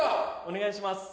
お願いします